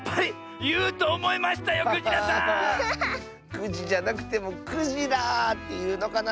９じじゃなくても「９じら」っていうのかな？